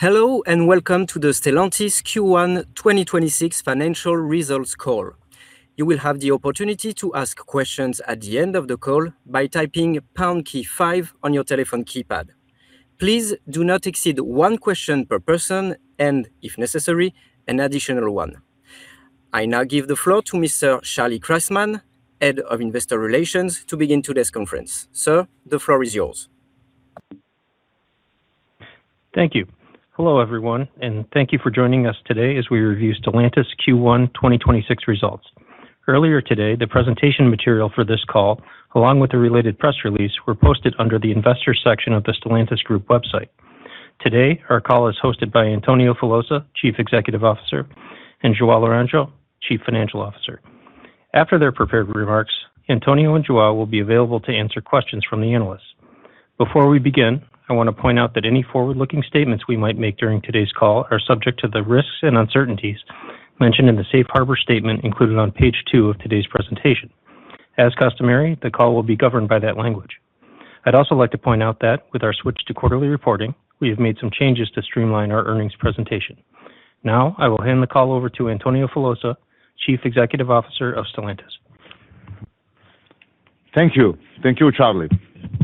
Hello, and welcome to the Stellantis Q1 2026 financial results call. You will have the opportunity to ask your questions at the end of the call by typing pound key 5 on your telephone keypad. Please do not exceed one question per person and, if necessary, an additional one. I now give the floor to Mr. Charles Christman, Head of Investor Relations, to begin today's conference. Sir, the floor is yours. Thank you. Hello, everyone, and thank you for joining us today as we review Stellantis Q1 2026 results. Earlier today, the presentation material for this call, along with the related press release, were posted under the Investors section of the Stellantis group website. Today, our call is hosted by Antonio Filosa, Chief Executive Officer, and Joao Laranjo, Chief Financial Officer. After their prepared remarks, Antonio and Joao will be available to answer questions from the analysts. Before we begin, I want to point out that any forward-looking statements we might make during today's call are subject to the risks and uncertainties mentioned in the Safe Harbor statement included on page 2 of today's presentation. As customary, the call will be governed by that language. I'd also like to point out that with our switch to quarterly reporting, we have made some changes to streamline our earnings presentation. Now I will hand the call over to Antonio Filosa, Chief Executive Officer of Stellantis. Thank you. Thank you, Charlie.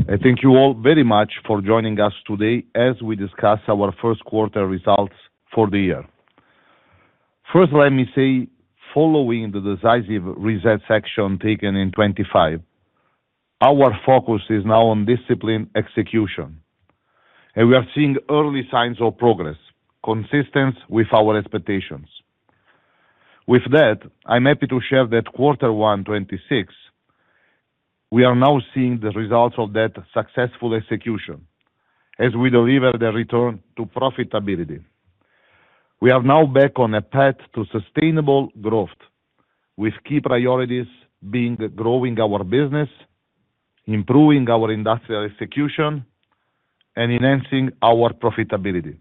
Thank you all very much for joining us today as we discuss our first quarter results for the year. First, let me say, following the decisive reset action taken in 2025, our focus is now on disciplined execution, we are seeing early signs of progress consistent with our expectations. With that, I am happy to share that quarter one 2026, we are now seeing the results of that successful execution as we deliver the return to profitability. We are now back on a path to sustainable growth, with key priorities being growing our business, improving our industrial execution, and enhancing our profitability.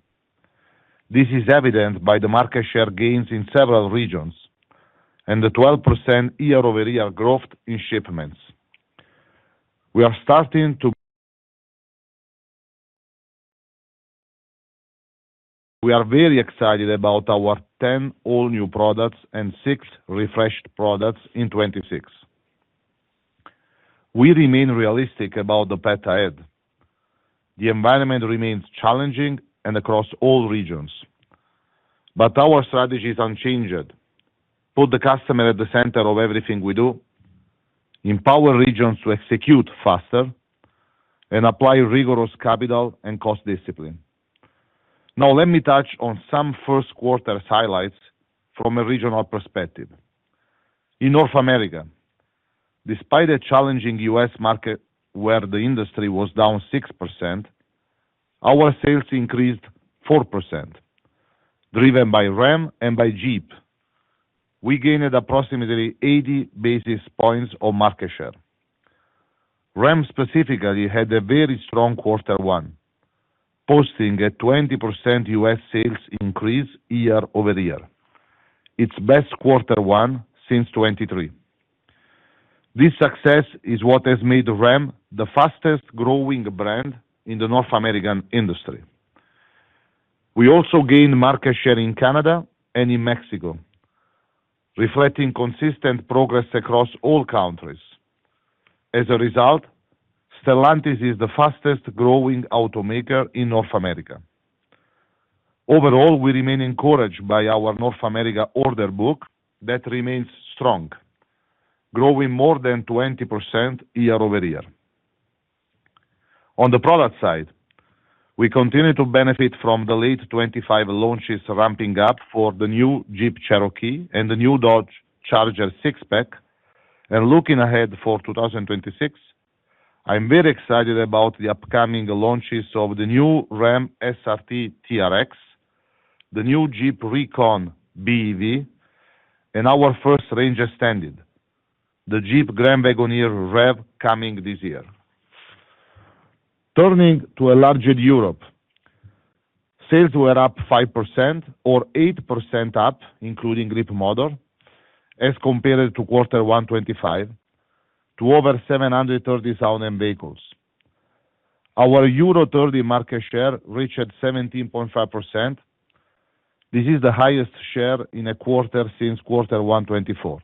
This is evident by the market share gains in several regions and the 12% year-over-year growth in shipments. We are very excited about our 10 all-new products and six refreshed products in 2026. We remain realistic about the path ahead. The environment remains challenging and across all regions. Our strategy is unchanged. Put the customer at the center of everything we do, empower regions to execute faster, and apply rigorous capital and cost discipline. Now let me touch on some first quarter highlights from a regional perspective. In North America, despite a challenging U.S. market where the industry was down 6%, our sales increased 4%, driven by Ram and by Jeep. We gained approximately 80 basis points of market share. Ram specifically had a very strong quarter one, posting a 20% U.S. sales increase year-over-year, its best quarter one since 2023. This success is what has made Ram the fastest-growing brand in the North American industry. We also gained market share in Canada and in Mexico, reflecting consistent progress across all countries. As a result, Stellantis is the fastest-growing automaker in North America. Overall, we remain encouraged by our North America order book that remains strong, growing more than 20% year-over-year. On the product side, we continue to benefit from the late 2025 launches ramping up for the new Jeep Cherokee and the new Dodge Charger Six-Pack. Looking ahead for 2026, I'm very excited about the upcoming launches of the new Ram SRT TRX, the new Jeep Recon BEV, and our first range extended, the Jeep Grand Wagoneer Rev, coming this year. Turning to a larger Europe, sales were up 5% or 8% up, including Leapmotor, as compared to Q1 2025 to over 730,000 vehicles. Our EU30 market share reached 17.5%. This is the highest share in a quarter since Q1 2024.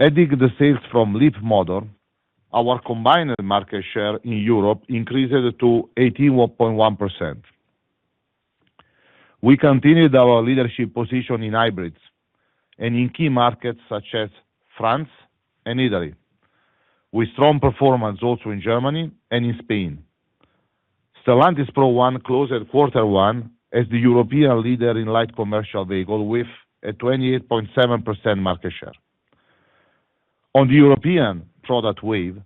Adding the sales from Leapmotor, our combined market share in Europe increased to 81.1%. We continued our leadership position in hybrids and in key markets such as France and Italy, with strong performance also in Germany and in Spain. Stellantis Pro One closed at quarter one as the European leader in light commercial vehicle with a 28.7% market share. On the European product wave,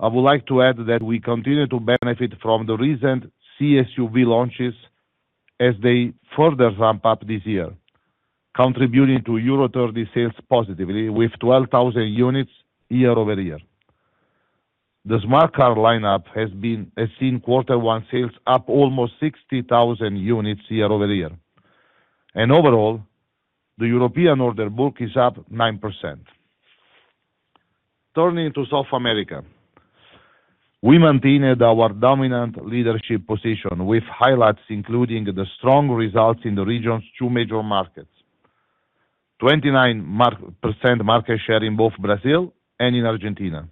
I would like to add that we continue to benefit from the recent C-SUV launches as they further ramp up this year, contributing to euro 30 sales positively with 12,000 units year-over-year. The Smart Car lineup has seen quarter one sales up almost 60,000 units year-over-year. Overall, the European order book is up 9%. Turning to South America. We maintained our dominant leadership position with highlights including the strong results in the region's two major markets. 29% market share in both Brazil and in Argentina.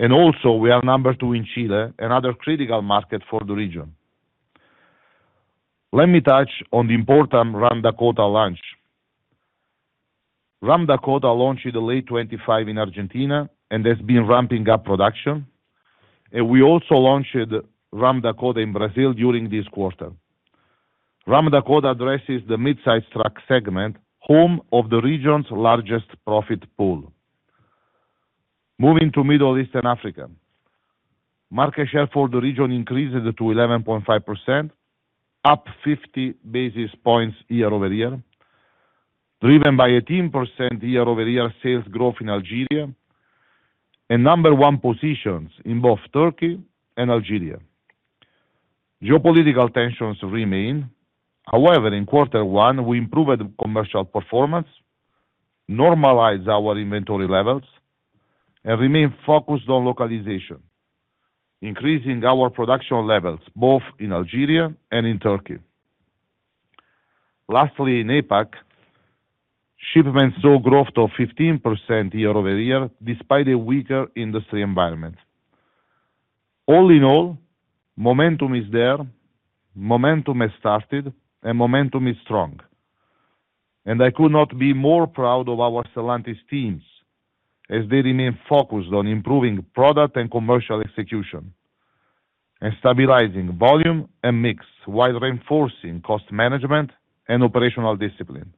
Also, we are number 2 in Chile, another critical market for the region. Let me touch on the important Ram Dakota launch. Ram Dakota launched in late 2025 in Argentina and has been ramping up production. We also launched Ram Dakota in Brazil during this quarter. Ram Dakota addresses the midsize truck segment, home of the region's largest profit pool. Moving to Middle East and Africa. Market share for the region increases to 11.5%, up 50 basis points year-over-year, driven by 18% year-over-year sales growth in Algeria, number 1 positions in both Turkey and Algeria. Geopolitical tensions remain. However, in Q1, we improved commercial performance, normalized our inventory levels, and remain focused on localization, increasing our production levels both in Algeria and in Turkey. Lastly, in APAC, shipments saw growth of 15% year-over-year despite a weaker industry environment. All in all, momentum is there, momentum has started, and momentum is strong. I could not be more proud of our Stellantis teams as they remain focused on improving product and commercial execution and stabilizing volume and mix while reinforcing cost management and operational discipline.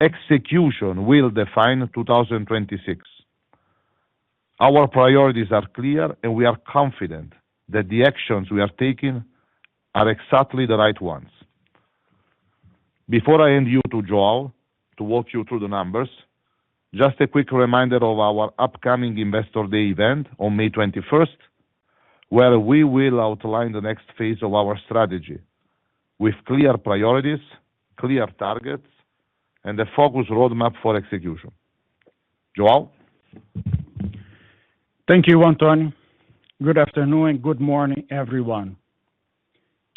Execution will define 2026. Our priorities are clear, and we are confident that the actions we are taking are exactly the right ones. Before I hand you to Joao to walk you through the numbers, just a quick reminder of our upcoming Investor Day event on May 21st, where we will outline the next phase of our strategy with clear priorities, clear targets, and a focused roadmap for execution. Joao? Thank you, Antonio. Good afternoon. Good morning, everyone.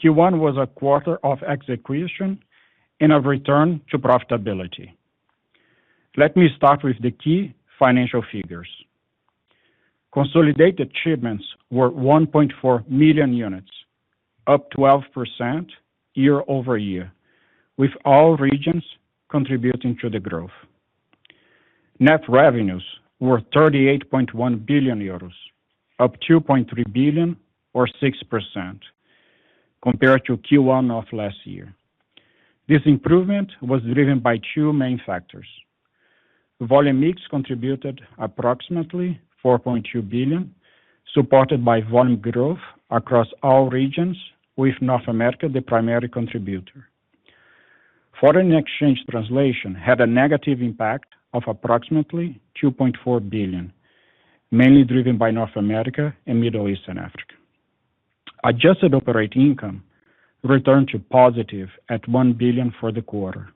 Q1 was a quarter of execution and a return to profitability. Let me start with the key financial figures. Consolidated shipments were 1.4 million units, up 12% year-over-year, with all regions contributing to the growth. Net revenues were 38.1 billion euros, up 2.3 billion or 6% compared to Q1 of last year. This improvement was driven by two main factors. Volume mix contributed approximately 4.2 billion, supported by volume growth across all regions, with North America the primary contributor. Foreign exchange translation had a negative impact of approximately 2.4 billion, mainly driven by North America and Middle East and Africa. Adjusted Operating Income returned to positive at 1 billion for the quarter,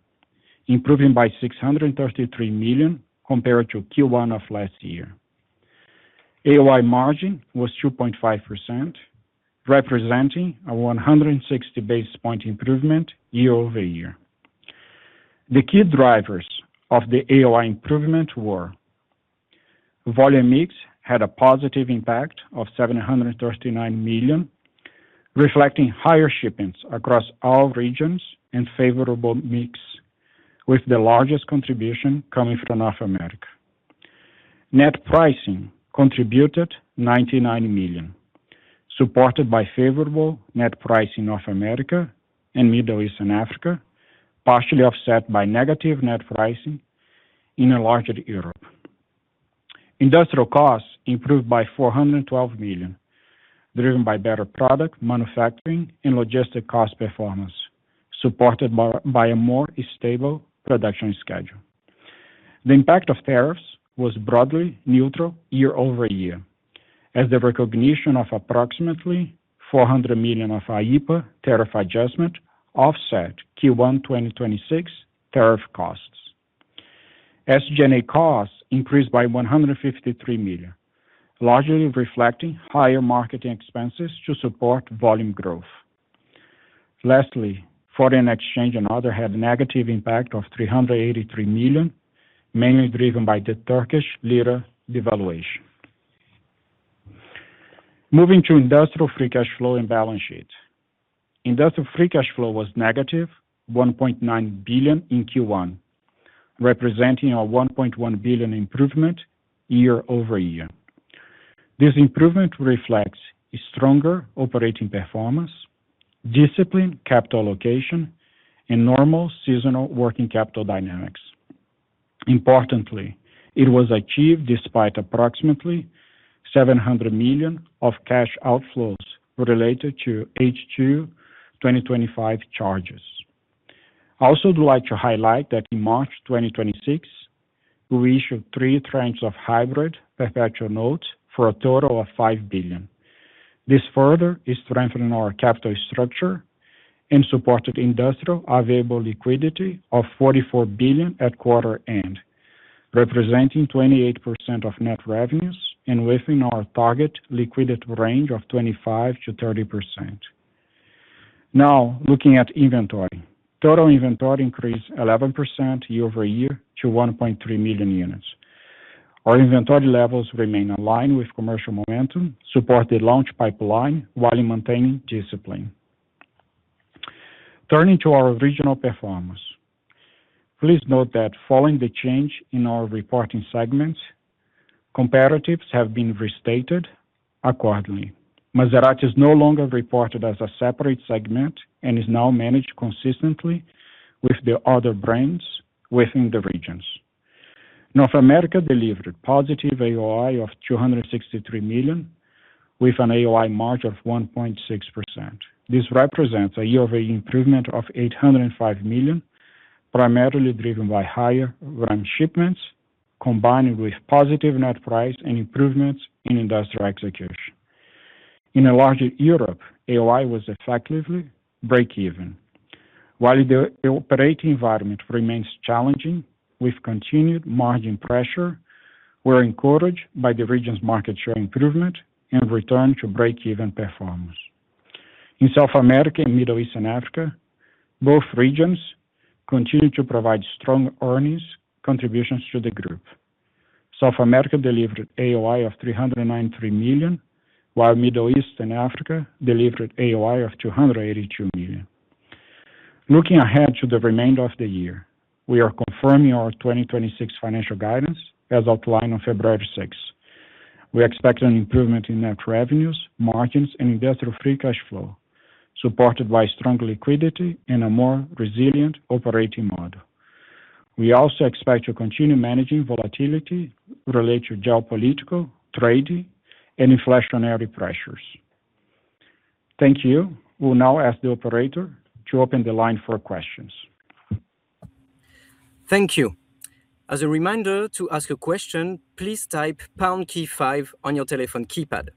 improving by 633 million compared to Q1 of last year. AOI margin was 2.5%, representing a 160 basis point improvement year-over-year. The key drivers of the AOI improvement were volume mix had a positive impact of 739 million, reflecting higher shipments across all regions and favorable mix, with the largest contribution coming from North America. Net pricing contributed 99 million, supported by favorable net price in North America and Middle East and Africa, partially offset by negative net pricing in a larger Europe. Industrial costs improved by 412 million, driven by better product manufacturing and logistic cost performance, supported by a more stable production schedule. The impact of tariffs was broadly neutral year-over-year, as the recognition of approximately 400 million of IEEPA tariff adjustment offset Q1 2026 tariff costs. SG&A costs increased by 153 million, largely reflecting higher marketing expenses to support volume growth. Lastly, foreign exchange and other had a negative impact of 383 million, mainly driven by the Turkish lira devaluation. Moving to industrial free cash flow and balance sheet. Industrial free cash flow was negative 1.9 billion in Q1, representing a 1.1 billion improvement year-over-year. This improvement reflects a stronger operating performance, disciplined capital allocation, and normal seasonal working capital dynamics. Importantly, it was achieved despite approximately 700 million of cash outflows related to H2 2025 charges. I also would like to highlight that in March 2026, we issued three tranches of hybrid perpetual notes for a total of 5 billion. This further is strengthening our capital structure and supported industrial available liquidity of 44 billion at quarter-end, representing 28% of net revenues and within our target liquidity range of 25%-30%. Looking at inventory. Total inventory increased 11% year-over-year to 1.3 million units. Our inventory levels remain aligned with commercial momentum, support the launch pipeline while maintaining discipline. Turning to our regional performance. Please note that following the change in our reporting segments, comparatives have been restated accordingly. Maserati is no longer reported as a separate segment and is now managed consistently with the other brands within the regions. North America delivered positive AOI of 263 million, with an AOI margin of 1.6%. This represents a year-over-year improvement of 805 million, primarily driven by higher Ram shipments, combining with positive net price and improvements in industrial execution. In a larger Europe, AOI was effectively breakeven. While the operating environment remains challenging with continued margin pressure, we're encouraged by the region's market share improvement and return to breakeven performance. In South America and Middle East and Africa, both regions continue to provide strong earnings contributions to the group. South America delivered AOI of 393 million, while Middle East and Africa delivered AOI of 282 million. Looking ahead to the remainder of the year, we are confirming our 2026 financial guidance as outlined on February sixth. We expect an improvement in net revenues, margins, and industrial free cash flow, supported by strong liquidity and a more resilient operating model. We also expect to continue managing volatility related to geopolitical, trade, and inflationary pressures. Thank you. We'll now ask the operator to open the line for questions. Thank you. As a reminder to ask a question, please type pound key 5 on your telephone keypad.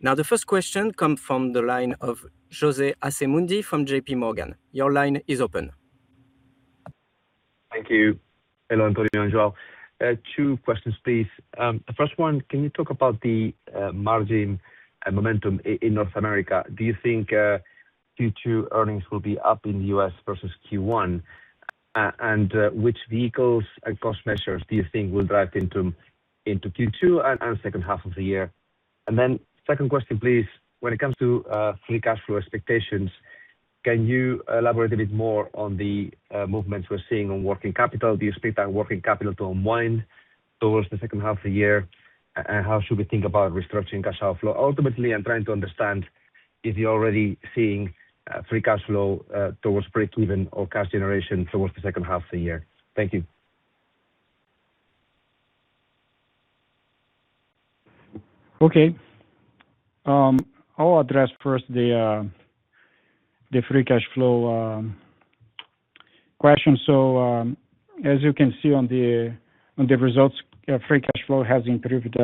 Now the first question come from the line of José Asumendi from J.P. Morgan. Your line is open. Thank you. Hello, Antonio and Joao. Two questions, please. The first one, can you talk about the margin and momentum in North America? Do you think Q2 earnings will be up in the U.S. versus Q1? Which vehicles and cost measures do you think will drive into Q2 and second half of the year? Second question, please. When it comes to free cash flow expectations, can you elaborate a bit more on the movements we're seeing on working capital? Do you expect that working capital to unwind towards the second half of the year? How should we think about restructuring cash flow? Ultimately, I'm trying to understand if you're already seeing free cash flow towards breakeven or cash generation towards the second half of the year. Thank you. Okay. I'll address first the free cash flow question. As you can see on the results, free cash flow has improved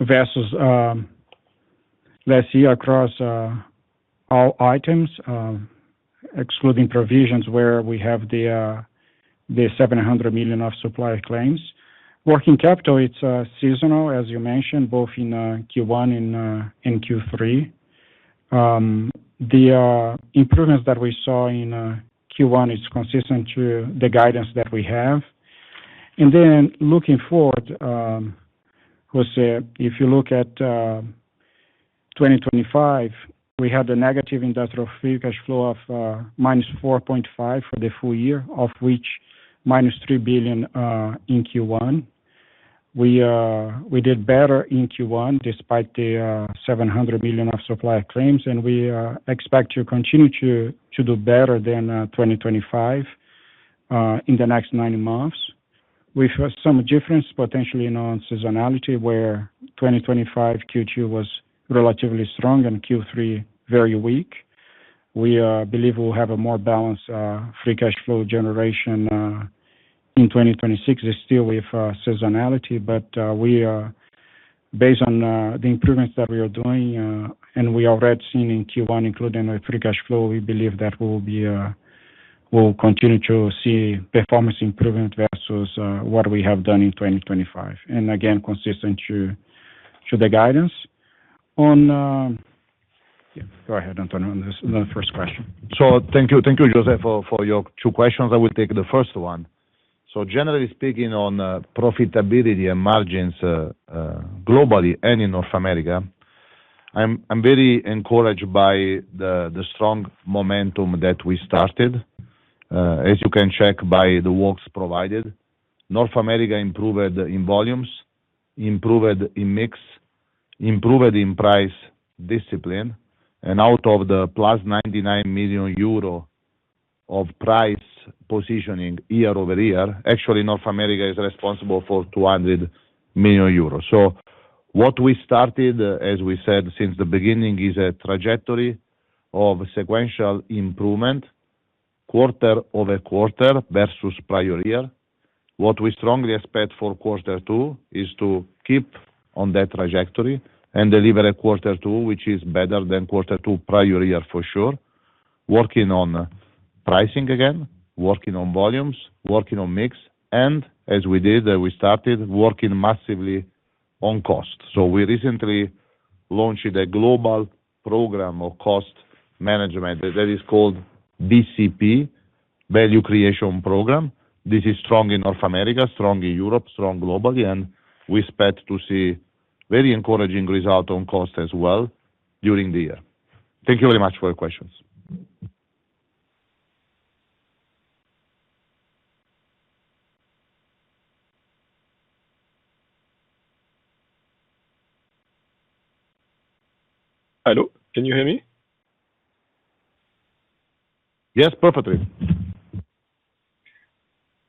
versus last year across all items, excluding provisions where we have the 700 million of supplier claims. Working capital, it's seasonal, as you mentioned, both in Q1 and in Q3. The improvements that we saw in Q1 is consistent to the guidance that we have. Looking forward, José Asumendi, if you look at 2025, we had a negative industrial free cash flow of minus 4.5 for the full year, of which minus 3 billion in Q1. We did better in Q1 despite the 700 million of supplier claims, and we expect to continue to do better than 2025 in the next nine months. We've some difference potentially in our seasonality, where 2025 Q2 was relatively strong and Q3 very weak. We believe we'll have a more balanced free cash flow generation in 2026. It's still with seasonality, but based on the improvements that we are doing, and we already seen in Q1, including our free cash flow, we believe that we'll be, we'll continue to see performance improvement versus what we have done in 2025. Again, consistent to the guidance. On. Yeah, go ahead, Antonio, on this, on the first question. Thank you, José, for your 2 questions. I will take the first one. Generally speaking, on profitability and margins globally and in North America, I'm very encouraged by the strong momentum that we started. As you can check by the works provided, North America improved in volumes, improved in mix, improved in price discipline. Out of the +99 million euro of price positioning year-over-year, actually, North America is responsible for 200 million euros. What we started, as we said since the beginning, is a trajectory of sequential improvement. Quarter-over-quarter versus prior year. What we strongly expect for quarter 2 is to keep on that trajectory and deliver a quarter 2, which is better than quarter 2 prior year for sure. Working on pricing again, working on volumes, working on mix. As we did, we started working massively on cost. We recently launched a global program of cost management that is called VCP, Value Creation Program. This is strong in North America, strong in Europe, strong globally. We expect to see very encouraging result on cost as well during the year. Thank you very much for your questions. Hello, can you hear me? Yes, perfectly.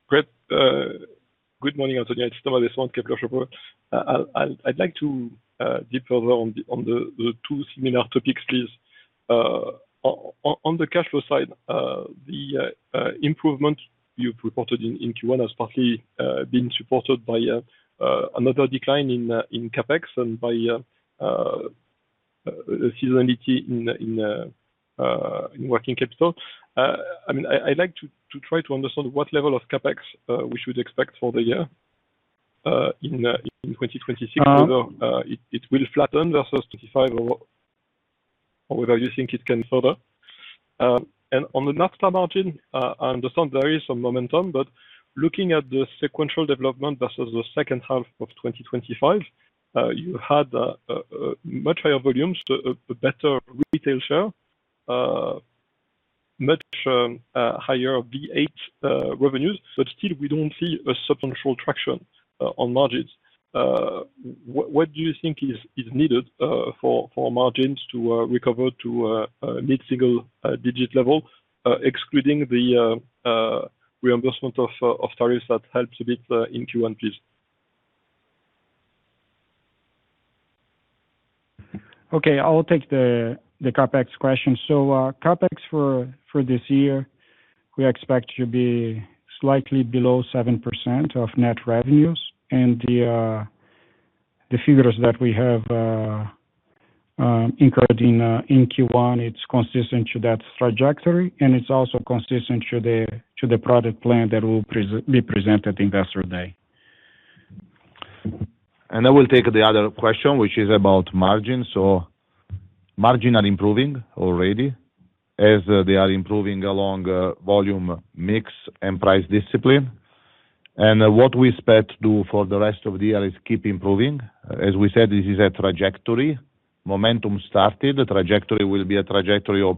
Great. Good morning, Antonio. It's Thomas Besson, Kepler Cheuvreux. I'd like to deeper on the two similar topics, please. On the cash flow side, the improvement you've reported in Q1 has partly been supported by another decline in CapEx and by seasonality in working capital. I mean, I'd like to try to understand what level of CapEx we should expect for the year in 2026. Um- It will flatten versus 25 or whether you think it can further. On the NAFTA margin, I understand there is some momentum, but looking at the sequential development versus the second half of 2025, you had a much higher volumes, a better retail share, much higher vehicle revenues, but still we don't see a substantial traction on margins. What do you think is needed for margins to recover to a mid-single digit level, excluding the reimbursement of tariffs that helps a bit in Q1, please? Okay, I'll take the CapEx question. CapEx for this year, we expect to be slightly below 7% of net revenues. The figures that we have incurred in Q1, it's consistent to that trajectory, and it's also consistent to the product plan that will be presented Investor Day. I will take the other question, which is about margins. Margins are improving already as they are improving along volume mix and price discipline. What we expect to do for the rest of the year is keep improving. As we said, this is a trajectory. Momentum started. The trajectory will be a trajectory of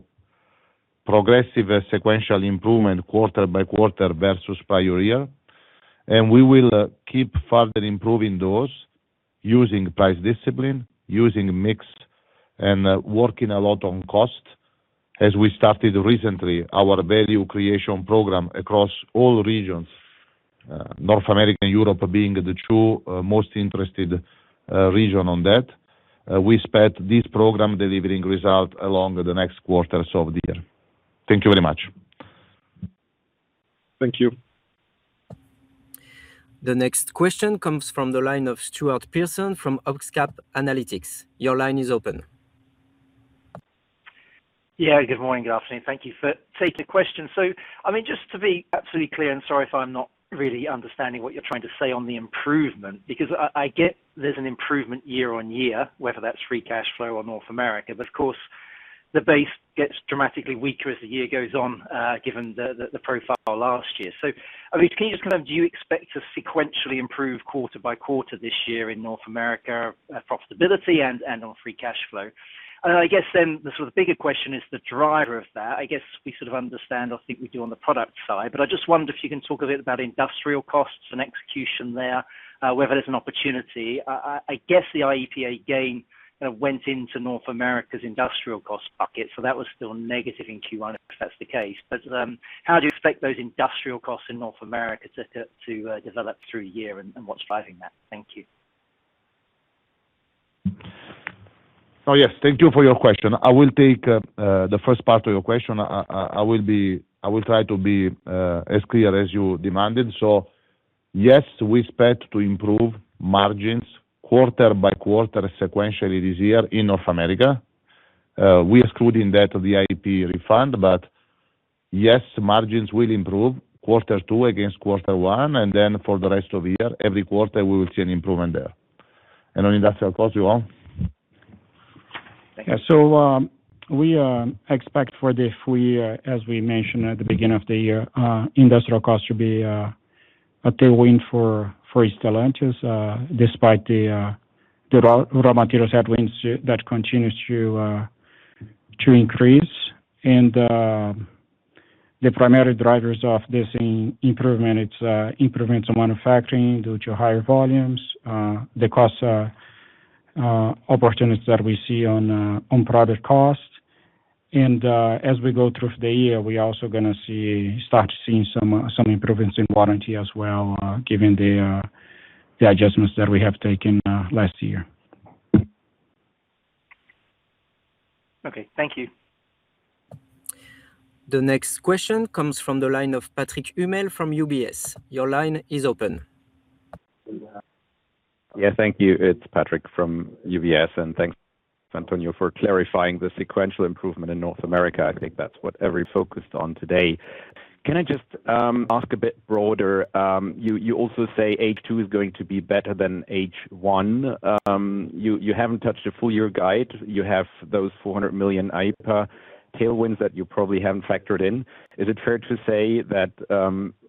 progressive sequential improvement quarter by quarter versus prior year. We will keep further improving those using price discipline, using mix, and working a lot on cost. As we started recently, our Value Creation Program across all regions, North America and Europe being the two most interested region on that. We expect this program delivering result along the next quarters of the year. Thank you very much. Thank you. The next question comes from the line of Stuart Pearson from Oxcap Analytics. Your line is open. Yeah, good morning. Good afternoon. Thank you for taking the question. I mean, just to be absolutely clear, and sorry if I'm not really understanding what you're trying to say on the improvement, because I get there's an improvement year-on-year, whether that's free cash flow or North America. Of course, the base gets dramatically weaker as the year goes on, given the, the profile last year. I mean, can you just kind of do you expect to sequentially improve quarter-by-quarter this year in North America, profitability and on free cash flow? I guess then the sort of bigger question is the driver of that. I guess we sort of understand, I think we do on the product side, but I just wonder if you can talk a bit about industrial costs and execution there, whether there's an opportunity. I guess the IEEPA gain went into North America's industrial cost bucket, so that was still negative in Q1, if that's the case. How do you expect those industrial costs in North America to develop through year and what's driving that? Thank you. Yes. Thank you for your question. I will take the first part of your question. I will try to be as clear as you demanded. Yes, we expect to improve margins quarter by quarter sequentially this year in North America. We excluding that the IEEPA refund. Yes, margins will improve quarter 2 against quarter 1, for the rest of the year, every quarter, we will see an improvement there. On industrial costs, Joao? Yeah. We expect for the full year, as we mentioned at the beginning of the year, industrial costs to be a tailwind for Stellantis, despite the raw materials headwinds that continues to increase. The primary drivers of this in improvement, it's improvements in manufacturing due to higher volumes, the cost opportunities that we see on product costs. As we go through the year, we are also start seeing some improvements in warranty as well, given the adjustments that we have taken last year. Okay. Thank you. The next question comes from the line of Patrick Hummel from UBS. Your line is open. Thank you. It's Patrick Hummel from UBS. Thanks, Antonio Filosa, for clarifying the sequential improvement in North America. I think that's what every focused on today. Can I just ask a bit broader? You also say H2 is going to be better than H1. You haven't touched a full year guide. You have those 400 million IEEPA tailwinds that you probably haven't factored in. Is it fair to say that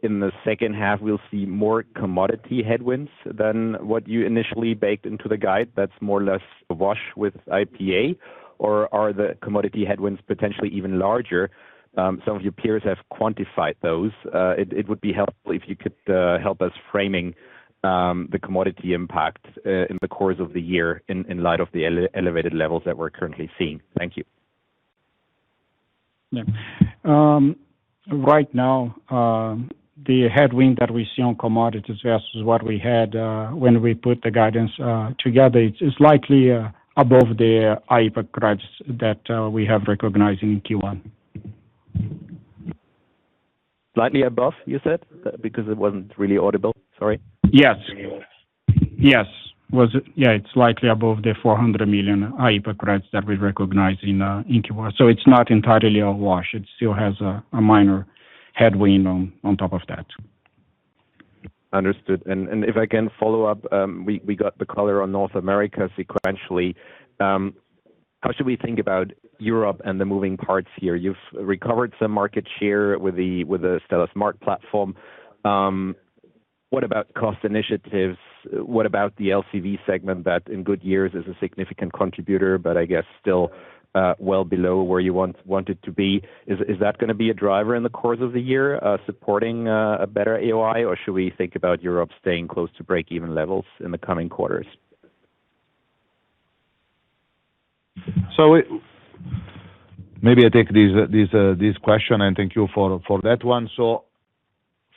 in the second half, we'll see more commodity headwinds than what you initially baked into the guide that's more or less a wash with IEEPA? Are the commodity headwinds potentially even larger? Some of your peers have quantified those. It would be helpful if you could, help us framing, the commodity impact, in the course of the year in light of the elevated levels that we're currently seeing. Thank you. Right now, the headwind that we see on commodities versus what we had when we put the guidance together, it's likely above the IEEPA credits that we have recognized in Q1. Slightly above, you said? It wasn't really audible. Sorry. Yes. Yes. Was, yeah, it's likely above the 400 million IPA credits that we recognized in Q1. It's not entirely a wash. It still has a minor headwind on top of that. Understood. If I can follow up, we got the color on North America sequentially. How should we think about Europe and the moving parts here? You've recovered some market share with the STLA SmartCockpit platform. What about cost initiatives? What about the LCV segment that in good years is a significant contributor, but I guess still, well below where you want it to be. Is that gonna be a driver in the course of the year, supporting a better AOI? Should we think about Europe staying close to break-even levels in the coming quarters? So it- Maybe I take this question, and thank you for that one.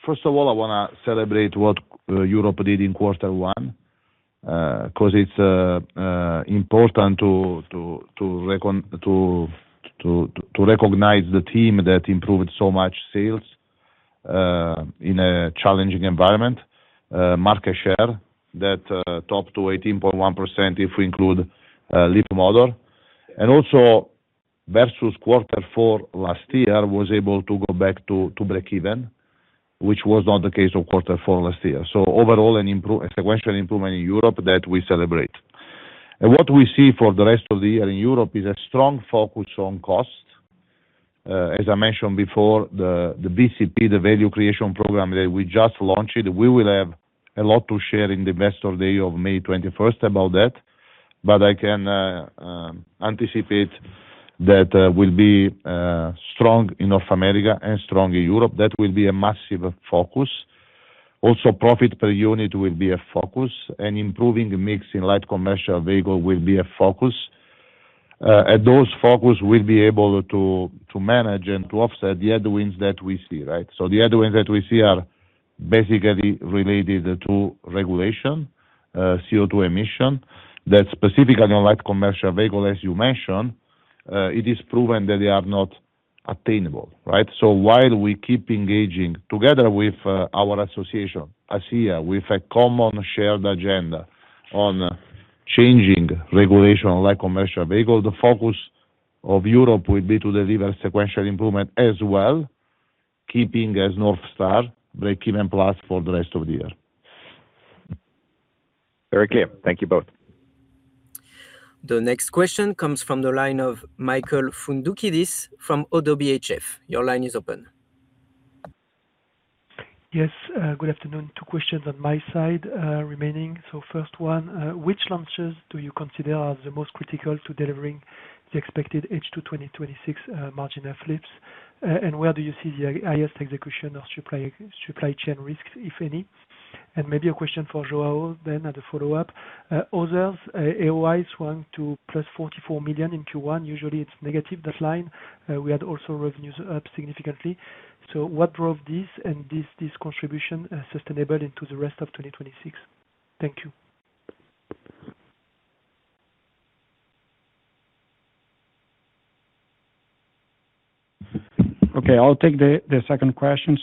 First of all, I wanna celebrate what Europe did in Q1, 'cause it's important to recognize the team that improved so much sales in a challenging environment. Market share that topped to 18.1% if we include Leapmotor. Also versus Q4 last year was able to go back to breakeven, which was not the case of Q4 last year. Overall a sequential improvement in Europe that we celebrate. What we see for the rest of the year in Europe is a strong focus on cost. As I mentioned before, the VCP, the Value Creation Program that we just launched, we will have a lot to share in the Investor Day of May 21st about that. I can anticipate that we'll be strong in North America and strong in Europe. That will be a massive focus. Profit per unit will be a focus, and improving mix in light commercial vehicle will be a focus. Those focus will be able to manage and to offset the headwinds that we see, right? The headwinds that we see are basically related to regulation, CO2 emission, that specifically on light commercial vehicle, as you mentioned, it is proven that they are not attainable, right? While we keep engaging together with our association, ACEA, with a common shared agenda on changing regulation on light commercial vehicle, the focus of Europe will be to deliver sequential improvement as well, keeping as North Star breakeven plus for the rest of the year. Very clear. Thank you both. The next question comes from the line of Michael Foundoukidis from ODDO BHF. Your line is open. Good afternoon. 2 questions on my side remaining. 1st one, which launches do you consider are the most critical to delivering the expected H2 2026 margin uplifts? Where do you see the highest execution of supply chain risks, if any? Maybe a question for Joao then as a follow-up. Others, AOI went to plus 44 million in Q1. Usually, it's negative, that line. We had also revenues up significantly. What drove this contribution sustainable into the rest of 2026? Thank you. Okay. I'll take the second question.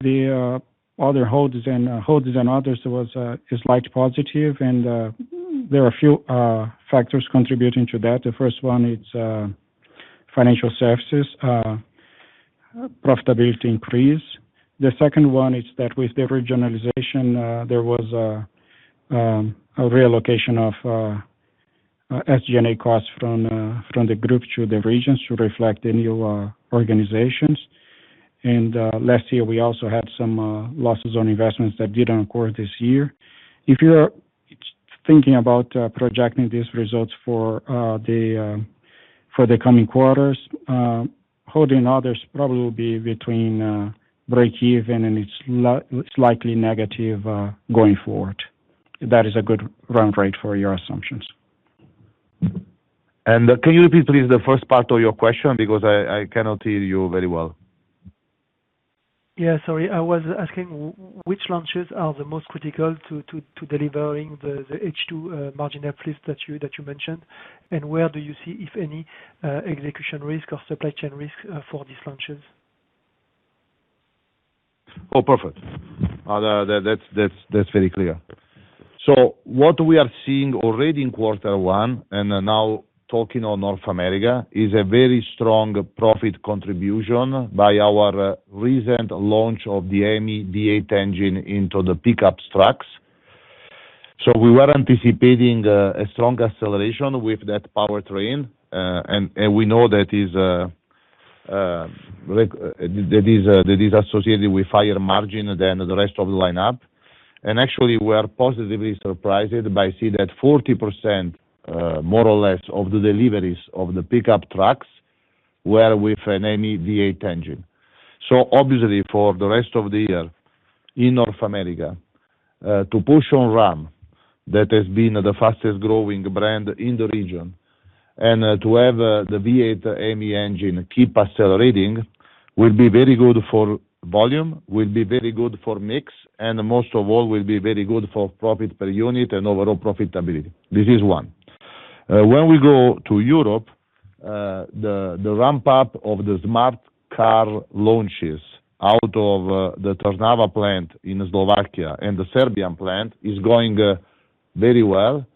The other holds and others was a slight positive, and there are a few factors contributing to that. The first one, it's financial services profitability increase. The second one is that with the regionalization, there was a reallocation of SG&A costs from the group to the regions to reflect the new organizations. Last year, we also had some losses on investments that didn't occur this year. If you're thinking about projecting these results for the coming quarters, holding others probably will be between breakeven and slightly negative going forward. That is a good run rate for your assumptions. Can you repeat please the first part of your question because I cannot hear you very well? Yeah, sorry. I was asking which launches are the most critical to delivering the H2 margin uplift that you mentioned? Where do you see, if any, execution risk or supply chain risk for these launches? Perfect. That's very clear. What we are seeing already in quarter one, and now talking on North America, is a very strong profit contribution by our recent launch of the Hemi V8 engine into the pickup trucks. We were anticipating a strong acceleration with that powertrain. And we know that is like that is associated with higher margin than the rest of the lineup. Actually, we are positively surprised by see that 40%, more or less, of the deliveries of the pickup trucks were with a Hemi V8 engine. Obviously, for the rest of the year in North America, to push on Ram, that has been the fastest growing brand in the region, to have the V8 Hemi engine keep accelerating will be very good for volume, will be very good for mix, and most of all, will be very good for profit per unit and overall profitability. This is one. When we go to Europe, the ramp-up of the Smart Car launches out of the Trnava plant in Slovakia and the Serbian plant is going very well,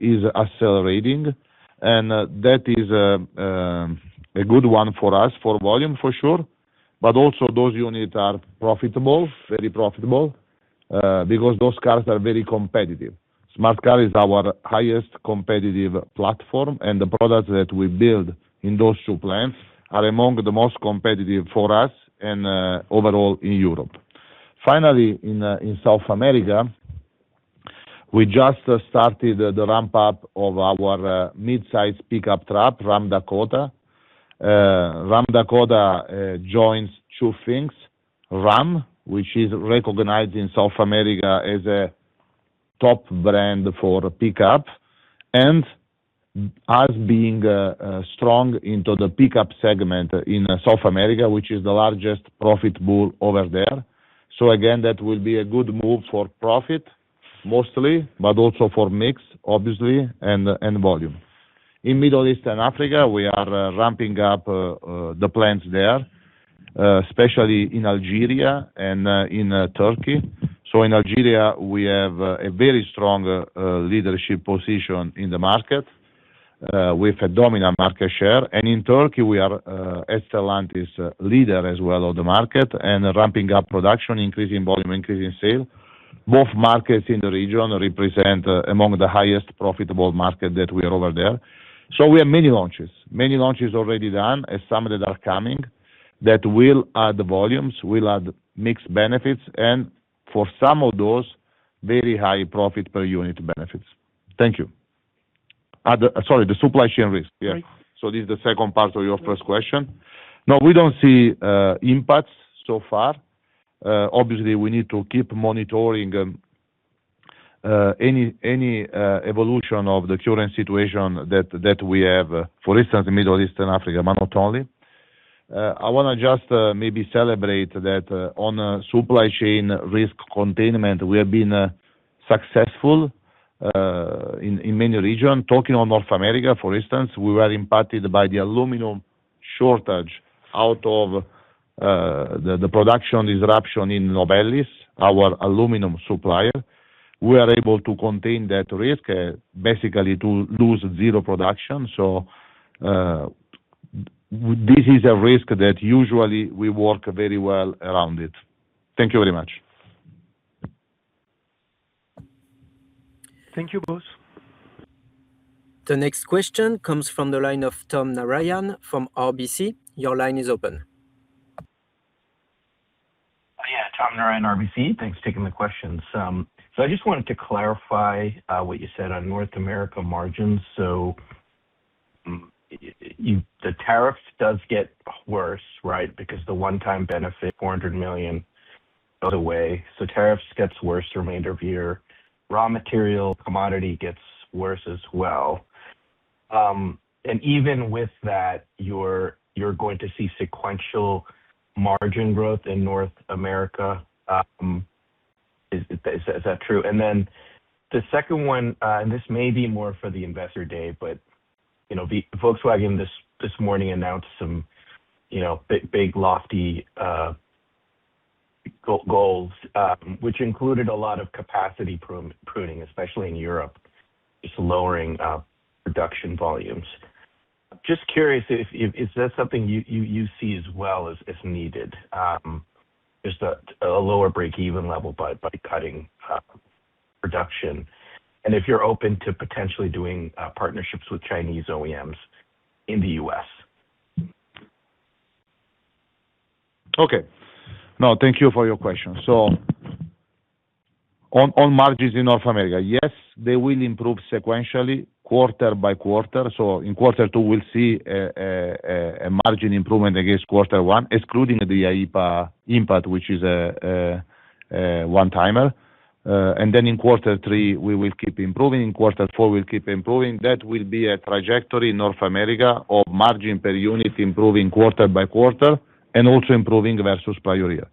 is accelerating. That is a good one for us for volume for sure, but also those units are profitable, very profitable, because those cars are very competitive. Smart Car is our highest competitive platform, and the products that we build in those two plants are among the most competitive for us and overall in Europe. Finally, in South America, we just started the ramp-up of our mid-size pickup truck, Ram Dakota. Ram Dakota joins two things, Ram, which is recognized in South America as a top brand for pickup, and us being strong into the pickup segment in South America, which is the largest profit pool over there. Again, that will be a good move for profit mostly, but also for mix obviously, and volume. In Middle East and Africa, we are ramping up the plants there, especially in Algeria and in Turkey. In Algeria, we have a very strong leadership position in the market, with a dominant market share. In Turkey, we are, as Stellantis, leader as well of the market and ramping up production, increasing volume, increasing sale. Both markets in the region represent among the highest profitable market that we have over there. We have many launches. Many launches already done and some that are coming that will add volumes, will add mixed benefits and for some of those, very high profit per unit benefits. Thank you. Sorry, the supply chain risk. Yeah. Right. This is the second part of your first question. No, we don't see impacts so far. Obviously, we need to keep monitoring any evolution of the current situation that we have, for instance, Middle East and Africa, but not only. I wanna just maybe celebrate that on supply chain risk containment, we have been successful in many region. Talking on North America, for instance, we were impacted by the aluminum shortage out of the production disruption in Novelis, our aluminum supplier. We are able to contain that risk basically to lose 0 production. This is a risk that usually we work very well around it. Thank you very much. Thank you, boss. The next question comes from the line of Tom Narayan from RBC. Yeah. Tom Narayan, RBC. Thanks for taking the questions. I just wanted to clarify what you said on North America margins. The tariff does get worse, right? Because the one-time benefit, 400 million, goes away. Tariffs gets worse remainder of the year. Raw material, commodity gets worse as well. Even with that, you're going to see sequential margin growth in North America. Is that true? The second one, this may be more for the investor day, you know, Volkswagen this morning announced some, you know, big lofty goals, which included a lot of capacity pruning, especially in Europe. Just lowering production volumes. Just curious, is that something you see as well as needed? Just a lower breakeven level by cutting production. If you're open to potentially doing partnerships with Chinese OEMs in the U.S. Okay. No, thank you for your question. On margins in North America, yes, they will improve sequentially quarter by quarter. In quarter 2, we'll see a margin improvement against quarter 1, excluding the IEEPA impact, which is a one-timer. Then in quarter 3, we will keep improving. In quarter 4, we'll keep improving. That will be a trajectory in North America of margin per unit improving quarter by quarter and also improving versus prior year.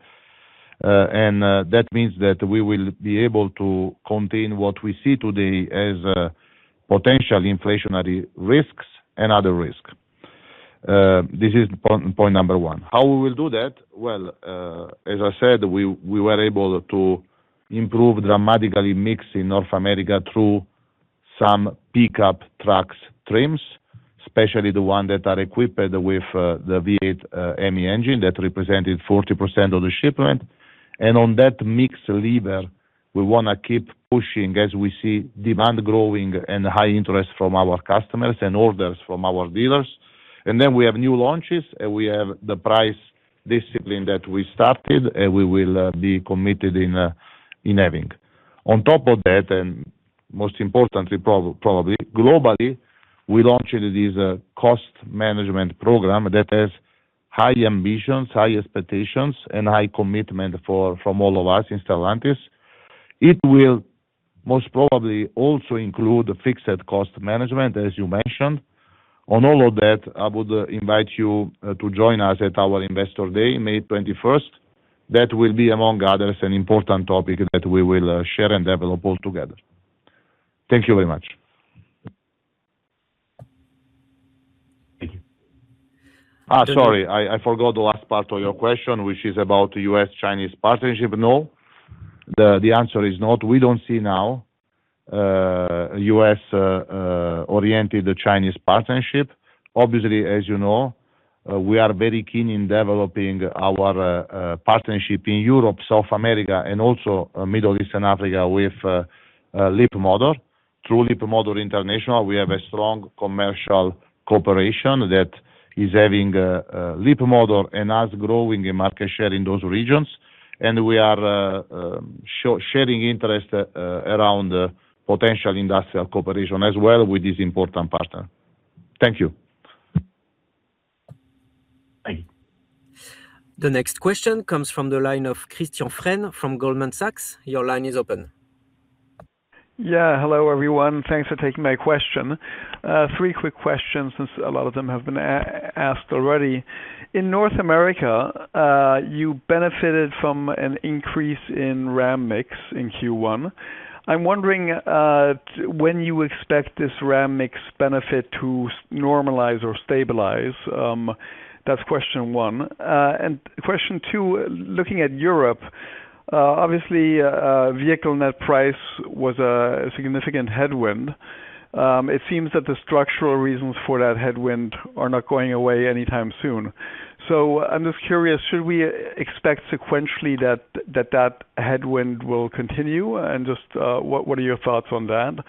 That means that we will be able to contain what we see today as potential inflationary risks and other risks. This is point number one. How we will do that? Well, as I said, we were able to improve dramatically mix in North America through some pickup trucks trims, especially the one that are equipped with the V8 Hemi engine that represented 40% of the shipment. On that mix lever, we wanna keep pushing as we see demand growing and high interest from our customers and orders from our dealers. Then we have new launches, and we have the price discipline that we started, and we will be committed in having. On top of that, and most importantly probably, globally, we launched this cost management program that has high ambitions, high expectations, and high commitment from all of us in Stellantis. It will most probably also include fixed cost management, as you mentioned. On all of that, I would invite you to join us at our Investor Day, May 21st. That will be, among others, an important topic that we will share and develop all together. Thank you very much. Thank you. Sorry. I forgot the last part of your question, which is about U.S.-Chinese partnership. No. The answer is not. We don't see now a U.S. oriented Chinese partnership. Obviously, as you know, we are very keen in developing our partnership in Europe, South America, and also Middle East and Africa with Leapmotor. Through Leapmotor International, we have a strong commercial cooperation that is having Leapmotor and us growing in market share in those regions. We are sharing interest around the potential industrial cooperation as well with this important partner. Thank you. Thank you. The next question comes from the line of Christian Frenes, from Goldman Sachs. Your line is open. Yeah, hello, everyone. Thanks for taking my question. 3 quick questions since a lot of them have been asked already. In North America, you benefited from an increase in Ram mix in Q1. I'm wondering when you expect this Ram mix benefit to normalize or stabilize? That's question 1. Question 2, looking at Europe, obviously, vehicle net price was a significant headwind. It seems that the structural reasons for that headwind are not going away anytime soon. I'm just curious, should we expect sequentially that headwind will continue? Just what are your thoughts on that?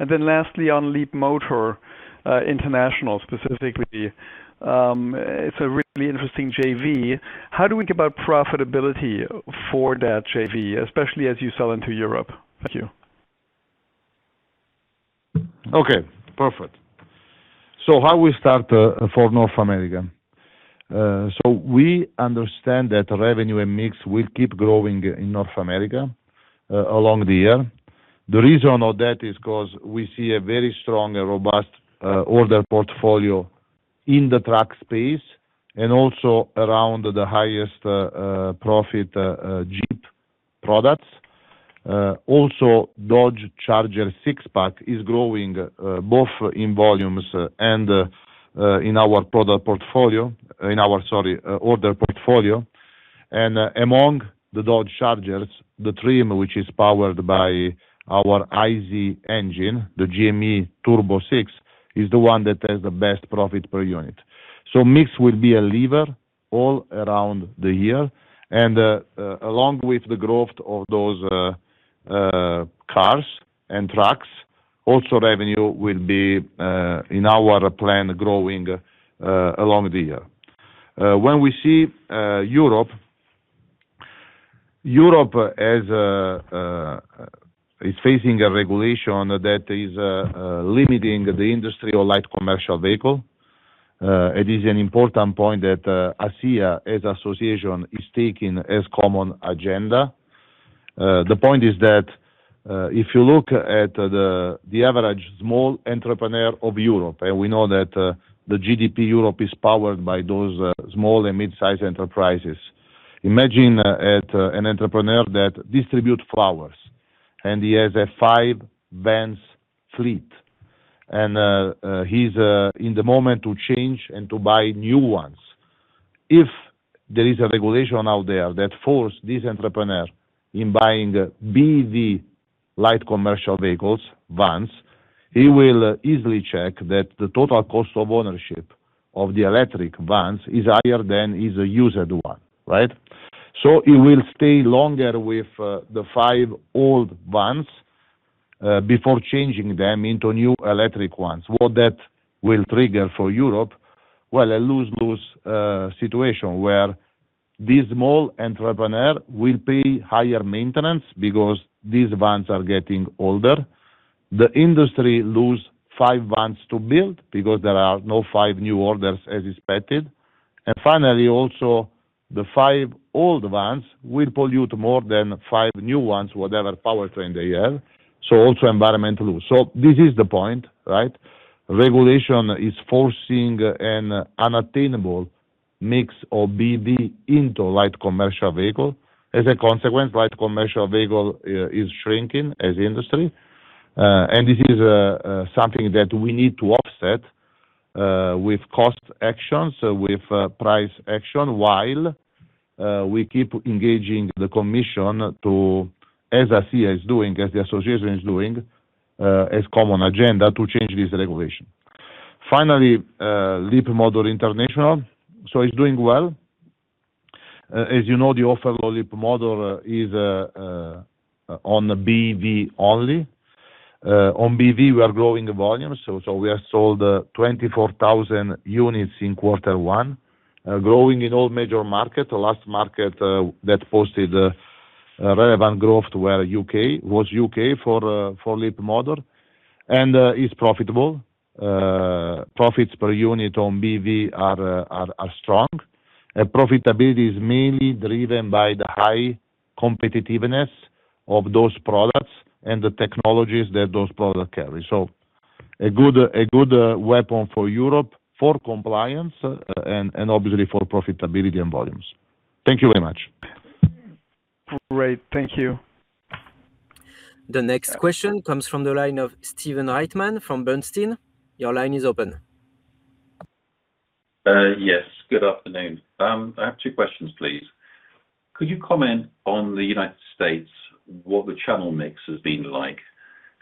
Lastly, on Leapmotor International specifically, it's a really interesting JV. How do we think about profitability for that JV, especially as you sell into Europe? Thank you. Okay, perfect. How we start for North America. We understand that revenue and mix will keep growing in North America along the year. The reason of that is 'cause we see a very strong and robust order portfolio in the truck space and also around the highest profit Jeep products. Also Dodge Charger Six-Pack is growing both in volumes and in our product portfolio, in our, sorry, order portfolio. Among the Dodge Chargers, the trim, which is powered by our I6 engine GME T6, is the one that has the best profit per unit. Mix will be a lever all around the year. Along with the growth of those cars and trucks, also revenue will be in our plan, growing along the year. When we see Europe is facing a regulation that is limiting the industry of light commercial vehicle. It is an important point that ACEA as association is taking as common agenda. The point is that if you look at the average small entrepreneur of Europe, and we know that the GDP Europe is powered by those small and mid-size enterprises. Imagine an entrepreneur that distribute flowers, and he has a 5 vans fleet, and he's in the moment to change and to buy new ones. If there is a regulation out there that force this entrepreneur in buying BEV light commercial vehicles, vans, he will easily check that the total cost of ownership of the electric vans is higher than his used one, right? He will stay longer with the five old vans before changing them into new electric ones. What that will trigger for Europe, well, a lose-lose situation where this small entrepreneur will pay higher maintenance because these vans are getting older. The industry lose five vans to build because there are no five new orders as expected. Finally, also, the five old vans will pollute more than five new ones, whatever powertrain they have, so also environmental. This is the point, right? Regulation is forcing an unattainable mix of BEV into light commercial vehicle. As a consequence, light commercial vehicle is shrinking as industry. This is something that we need to offset with cost actions, with price action, while we keep engaging the commission to, as ACEA is doing, as the association is doing, as common agenda to change this regulation. Finally, Leapmotor International. It's doing well. As you know, the offer of Leapmotor is on the BEV only. On BEV, we are growing the volume. We have sold 24,000 units in quarter one, growing in all major markets. The last market that posted relevant growth were U.K., was U.K. for Leapmotor, and is profitable. Profits per unit on BEV are strong. Profitability is mainly driven by the high competitiveness of those products and the technologies that those products carry. A good weapon for Europe, for compliance, and obviously for profitability and volumes. Thank you very much. Great. Thank you. The next question comes from the line of Stephen Reitman from Bernstein. Your line is open. Yes, good afternoon. I have two questions, please. Could you comment on the U.S., what the channel mix has been like?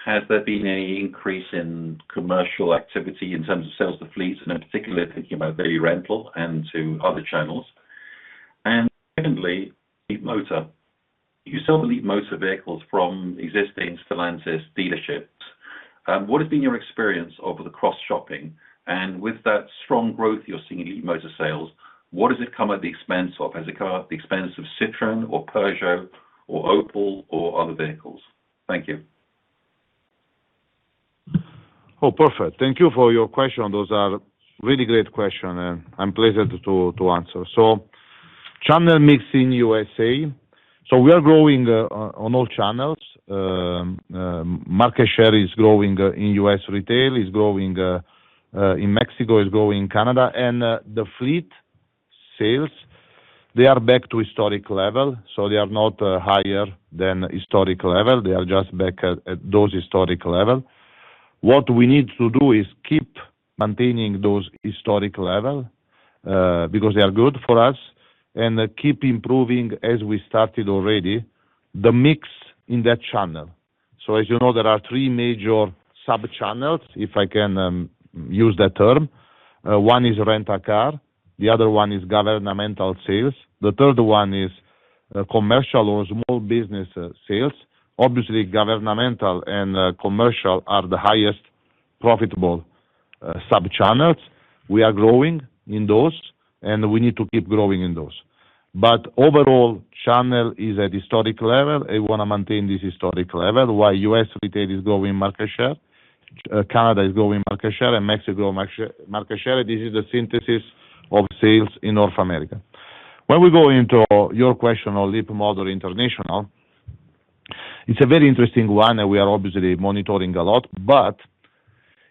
Has there been any increase in commercial activity in terms of sales to fleets, and I'm particularly thinking about daily rental and to other channels? Secondly, Leapmotor. You sell the Leapmotor vehicles from existing Stellantis dealerships. What has been your experience of the cross-shopping? With that strong growth you're seeing in Leapmotor sales, what does it come at the expense of? Has it come at the expense of Citroën or Peugeot or Opel or other vehicles? Thank you. Oh, perfect. Thank you for your question. Those are really great question, and I'm pleased to answer. Channel mix in U.S.A. We are growing on all channels. Market share is growing in U.S. retail. It's growing in Mexico. It's growing in Canada. The fleet sales, they are back to historic level. They are not higher than historic level. They are just back at those historic level. What we need to do is keep maintaining those historic level because they are good for us, and keep improving, as we started already, the mix in that channel. As you know, there are three major sub-channels, if I can use that term. One is rent a car, the other one is governmental sales, the third one is commercial or small business sales. Obviously, governmental and commercial are the highest profitable sub-channels. We are growing in those, and we need to keep growing in those. Overall, channel is at historic level. I want to maintain this historic level. While U.S. retail is growing market share, Canada is growing market share, and Mexico market share. This is the synthesis of sales in North America. When we go into your question on Leapmotor International, it's a very interesting one, and we are obviously monitoring a lot.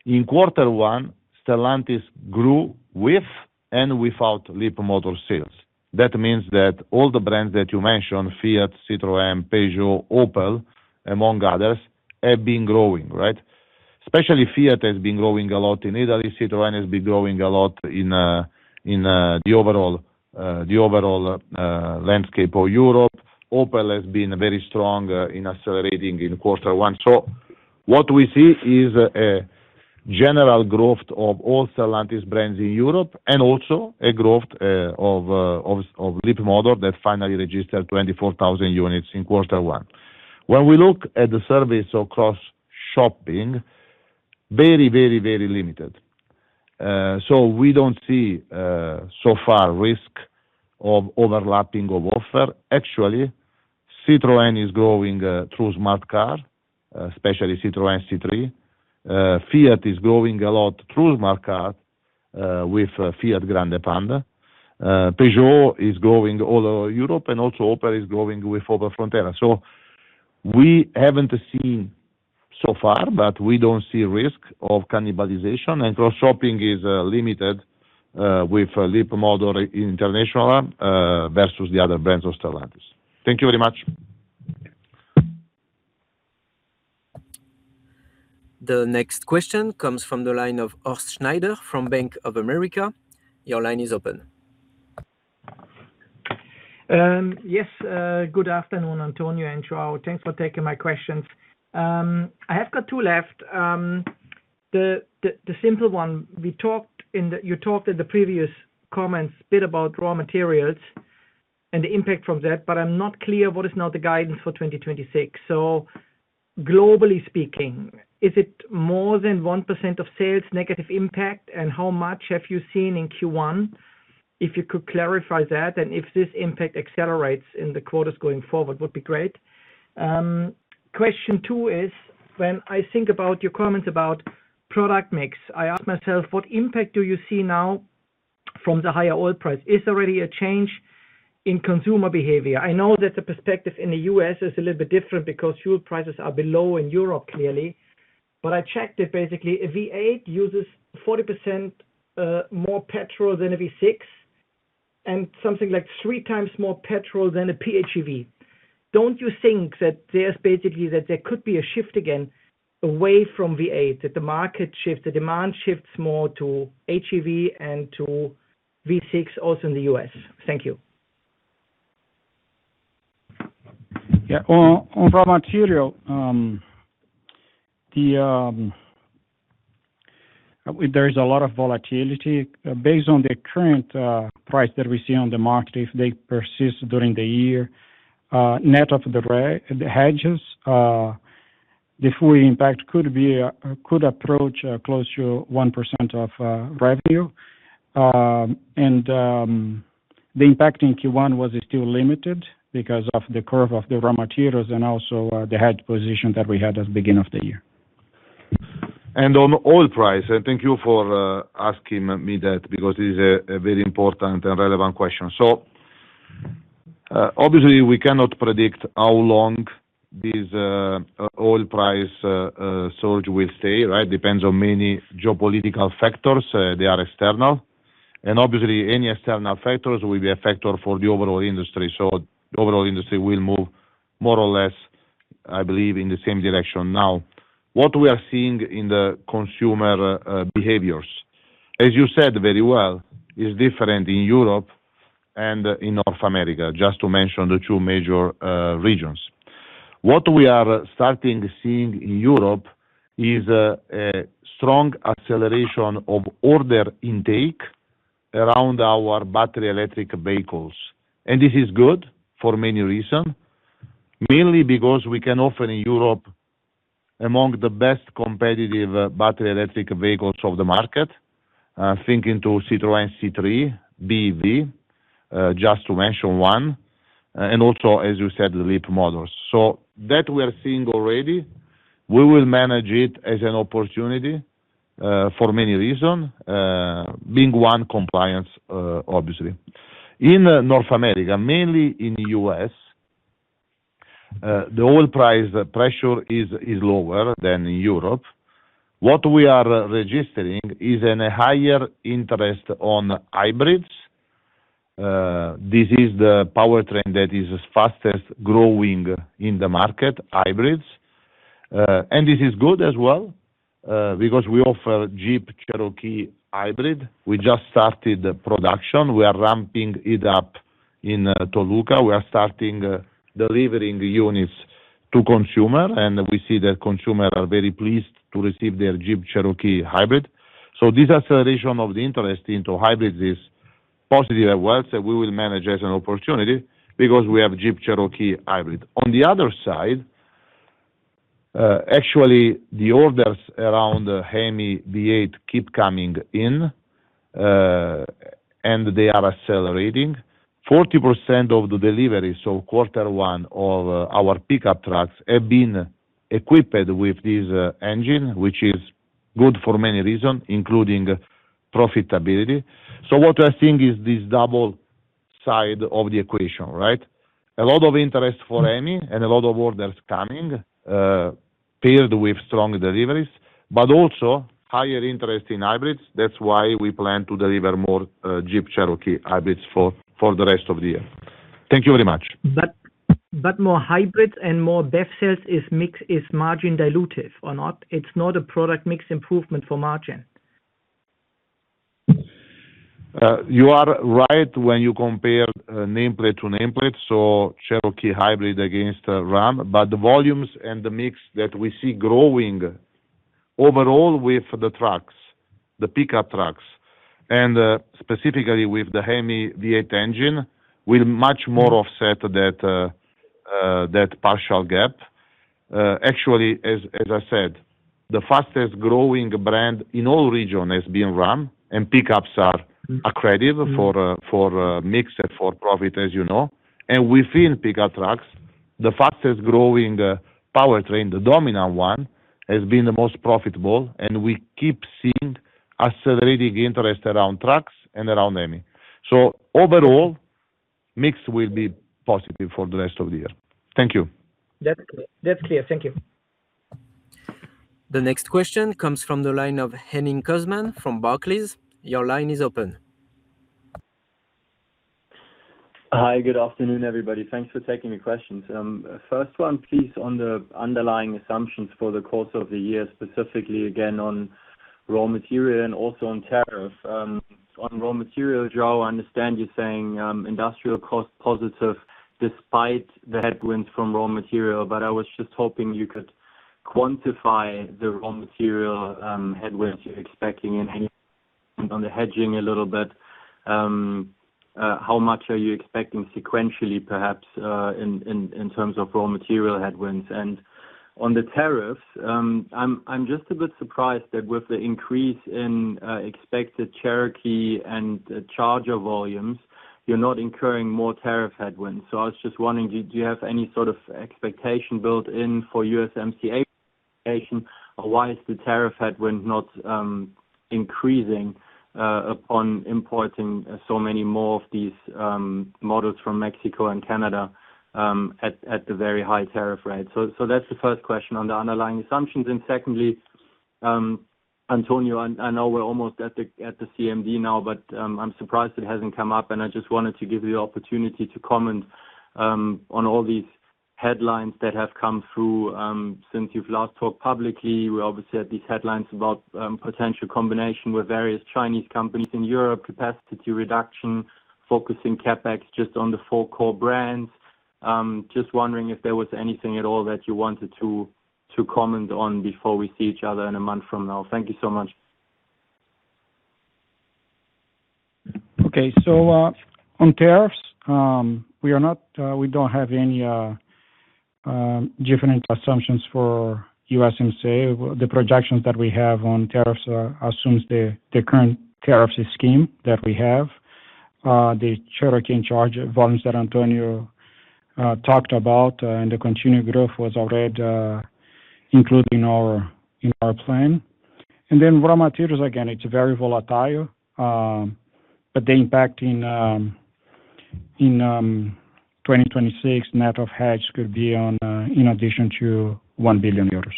In quarter one, Stellantis grew with and without Leapmotor sales. That means that all the brands that you mentioned, Fiat, Citroën, Peugeot, Opel, among others, have been growing, right? Especially Fiat has been growing a lot in Italy. Citroën has been growing a lot in the overall landscape of Europe. Opel has been very strong in accelerating in quarter 1. What we see is a general growth of all Stellantis brands in Europe and also a growth of LEAPmotor that finally registered 24,000 units in quarter 1. When we look at the service of cross-shopping, very limited. We don't see so far risk of overlapping of offer. Actually, Citroën is growing through Smart Car, especially Citroën C3. Fiat is growing a lot through Smart Car with Fiat Grande Panda. Peugeot is growing all over Europe. Opel is growing with Opel Frontera. We haven't seen so far. We don't see risk of cannibalization. Cross-shopping is limited with LEAPmotor International versus the other brands of Stellantis. Thank you very much. The next question comes from the line of Horst Schneider from Bank of America. Your line is open. Yes, good afternoon, Antonio and Joao. Thanks for taking my questions. I have got two left. The simple one, you talked in the previous comments bit about raw materials and the impact from that, but I'm not clear what is now the guidance for 2026. Globally speaking, is it more than 1% of sales negative impact, and how much have you seen in Q1? If you could clarify that and if this impact accelerates in the quarters going forward would be great. Question two is, when I think about your comments about product mix, I ask myself, what impact do you see now from the higher oil price? Is there already a change in consumer behavior? I know that the perspective in the U.S. is a little bit different because fuel prices are below in Europe, clearly. I checked it basically, a V8 uses 40% more petrol than a V6, and something like 3 times more petrol than a PHEV. Don't you think that there's basically that there could be a shift again away from V8, that the market shifts, the demand shifts more to HEV and to V6 also in the U.S.? Thank you. Yeah. On raw material, there is a lot of volatility. Based on the current price that we see on the market, if they persist during the year, net of the hedges, the full impact could approach close to 1% of revenue. The impact in Q1 was still limited because of the curve of the raw materials and also the hedge position that we had at the beginning of the year. On oil price, and thank you for asking me that because it is a very important and relevant question. Obviously, we cannot predict how long this oil price surge will stay, right? Depends on many geopolitical factors. They are external. Obviously, any external factors will be a factor for the overall industry. The overall industry will move more or less, I believe, in the same direction. What we are seeing in the consumer behaviors, as you said very well, is different in Europe and in North America, just to mention the two major regions. What we are starting seeing in Europe is a strong acceleration of order intake around our battery electric vehicles. This is good for many reason. Mainly because we can offer in Europe among the best competitive battery electric vehicles of the market, thinking to Citroën C3 BEV, just to mention one, and also, as you said, the LEAP models. That we are seeing already. We will manage it as an opportunity for many reason, being one compliance, obviously. In North America, mainly in the U.S., the oil price pressure is lower than in Europe. What we are registering is an higher interest on hybrids. This is the powertrain that is fastest growing in the market, hybrids. This is good as well, because we offer Jeep Cherokee Hybrid. We just started production. We are ramping it up in Toluca. We are starting delivering units to consumer, and we see that consumer are very pleased to receive their Jeep Cherokee Hybrid. This acceleration of the interest into hybrids is positive as well, so we will manage as an opportunity because we have Jeep Cherokee Hybrid. On the other side, actually the orders around the Hemi V8 keep coming in, and they are accelerating. 40% of the delivery, quarter one of our pickup trucks have been equipped with this engine, which is good for many reason, including profitability. What we are seeing is this double side of the equation, right? A lot of interest for Hemi and a lot of orders coming, paired with strong deliveries, but also higher interest in hybrids. That's why we plan to deliver more Jeep Cherokee Hybrids for the rest of the year. Thank you very much. More hybrids and more BEV sales is mix, is margin dilutive or not? It's not a product mix improvement for margin. You are right when you compare nameplate to nameplate, so Cherokee Hybrid against Ram. The volumes and the mix that we see growing overall with the trucks, the pickup trucks, and specifically with the Hemi V8 engine, will much more offset that partial gap. Actually, as I said, the fastest growing brand in all region has been Ram, and pickups are accretive for mix and for profit, as you know. Within pickup trucks, the fastest growing powertrain, the dominant one, has been the most profitable, and we keep seeing accelerating interest around trucks and around Hemi. Overall, mix will be positive for the rest of the year. Thank you. That's clear. That's clear. Thank you. The next question comes from the line of Henning Cosman from Barclays. Your line is open. Hi. Good afternoon, everybody. Thanks for taking the questions. First one, please, on the underlying assumptions for the course of the year, specifically again on raw material and also on tariff. On raw material, Joao, I understand you're saying industrial cost positive despite the headwinds from raw material, but I was just hoping you could quantify the raw material headwinds you're expecting and, Henning, on the hedging a little bit, how much are you expecting sequentially perhaps in terms of raw material headwinds? On the tariffs, I'm just a bit surprised that with the increase in expected Jeep Cherokee and Dodge Charger volumes, you're not incurring more tariff headwinds. I was just wondering, do you have any sort of expectation built in for USMCA expectation, or why is the tariff headwind not increasing upon importing so many more of these models from Mexico and Canada at the very high tariff rate? That's the first question on the underlying assumptions. Secondly, Antonio, I know we're almost at the CMD now, but I'm surprised it hasn't come up, and I just wanted to give you the opportunity to comment on all these headlines that have come through since you've last talked publicly. We obviously had these headlines about potential combination with various Chinese companies in Europe, capacity reduction, focusing CapEx just on the 4 core brands. Just wondering if there was anything at all that you wanted to comment on before we see each other in a month from now? Thank you so much. On tariffs, we are not, we don't have any different assumptions for USMCA. The projections that we have on tariffs assumes the current tariffs scheme that we have. The Cherokee and Charger volumes that Antonio talked about and the continued growth was already included in our plan. Raw materials, again, it's very volatile. But the impact in 2026 net of hedge could be in addition to 1 billion euros.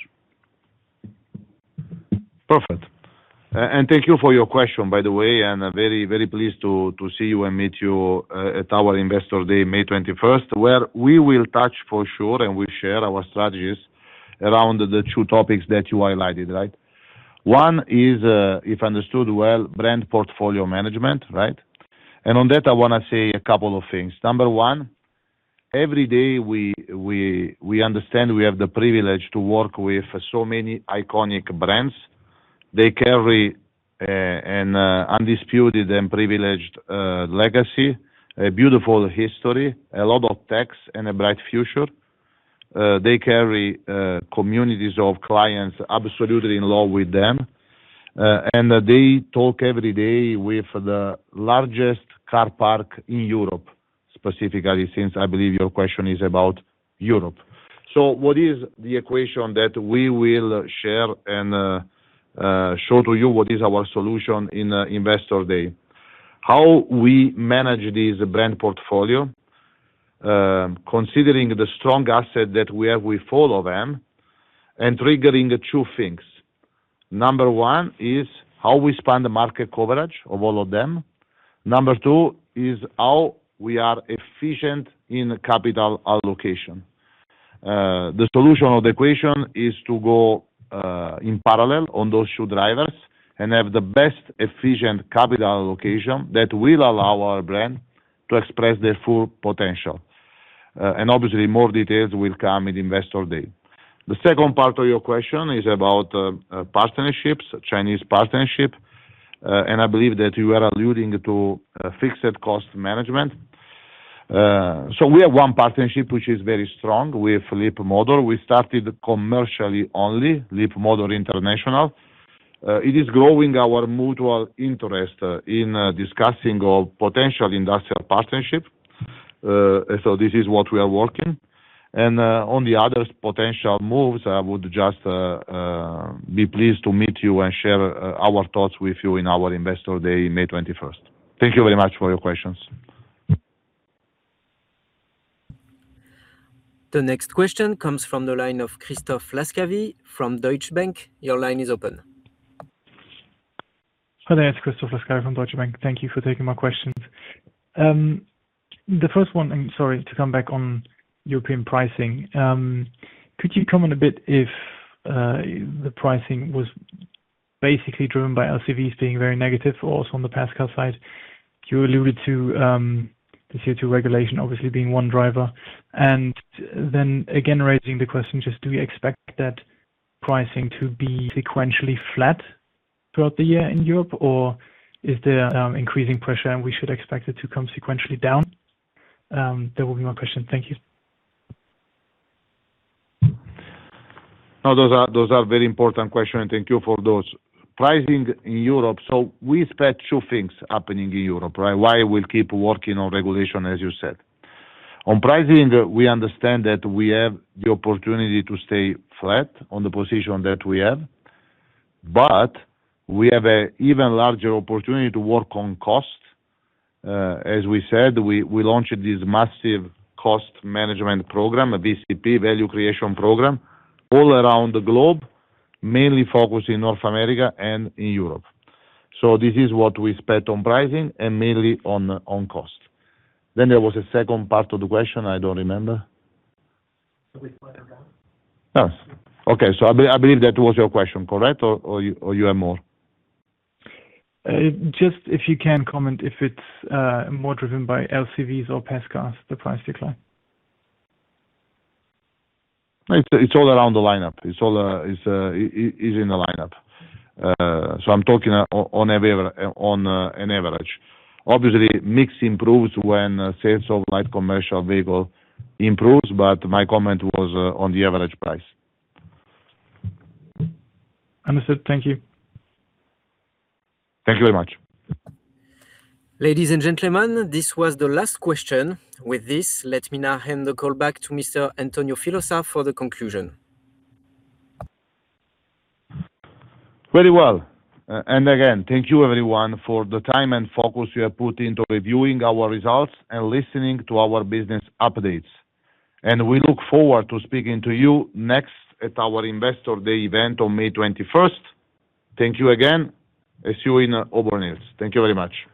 Perfect. Thank you for your question, by the way, and very pleased to see you and meet you at our Investor Day, May 21st, where we will touch for sure and we share our strategies around the two topics that you highlighted, right? One is, if understood well, brand portfolio management, right? On that, I want to say a couple of things. Number 1, every day we understand we have the privilege to work with so many iconic brands. They carry an undisputed and privileged legacy, a beautiful history, a lot of tech and a bright future. They carry communities of clients absolutely in love with them. They talk every day with the largest car park in Europe, specifically, since I believe your question is about Europe. What is the equation that we will share and show to you what is our solution in Investor Day? How we manage this brand portfolio, considering the strong asset that we have with all of them, and triggering 2 things. Number 1 is how we span the market coverage of all of them. Number 2 is how we are efficient in capital allocation. The solution of the equation is to go in parallel on those 2 drivers and have the best efficient capital allocation that will allow our brand to express their full potential. Obviously, more details will come at Investor Day. The second part of your question is about partnerships, Chinese partnership, and I believe that you are alluding to fixed cost management. We have 1 partnership, which is very strong with Leapmotor. We started commercially only, Leapmotor International. It is growing our mutual interest in discussing of potential industrial partnership. This is what we are working. On the other potential moves, I would just be pleased to meet you and share our thoughts with you in our Investor Day, May 21st. Thank you very much for your questions. The next question comes from the line of Christoph Laskawi from Deutsche Bank. Your line is open. Hi, there. It's Christoph Laskawi from Deutsche Bank. Thank you for taking my questions. The first one, I am sorry to come back on European pricing. Could you comment a bit if the pricing was basically driven by LCVs being very negative or also on the passenger side? You alluded to the CO2 regulation, obviously being one driver. Then again, raising the question, just do we expect that pricing to be sequentially flat throughout the year in Europe, or is there increasing pressure and we should expect it to come sequentially down? That will be my question. Thank you. No, those are very important questions, and thank you for those. Pricing in Europe, we expect two things happening in Europe, right? Why we'll keep working on regulation, as you said. On pricing, we understand that we have the opportunity to stay flat on the position that we have, but we have an even larger opportunity to work on cost. As we said, we launched this massive cost management program, a VCP, Value Creation Program, all around the globe, mainly focused in North America and in Europe. This is what we expect on pricing and mainly on cost. There was a second part of the question I don't remember. Yes. Okay. I believe that was your question, correct? Or you have more? Just if you can comment, if it's more driven by LCVs or passenger cars, the price decline. It's all around the lineup. It's all in the lineup. I'm talking on an average. Obviously, mix improves when sales of light commercial vehicle improves. My comment was on the average price. Understood. Thank you. Thank you very much. Ladies and gentlemen, this was the last question. With this, let me now hand the call back to Mr. Antonio Filosa for the conclusion. Very well. Again, thank you everyone for the time and focus you have put into reviewing our results and listening to our business updates. We look forward to speaking to you next at our Investor Day event on May 21st. Thank you again. See you in Auburn Hills. Thank you very much.